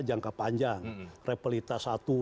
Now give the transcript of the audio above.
jangka panjang repelita satu dua tiga